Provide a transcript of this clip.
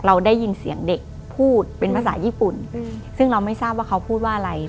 เราได้ยินเสียงเด็กพูดเป็นภาษาญี่ปุ่นซึ่งเราไม่ทราบว่าเขาพูดว่าอะไร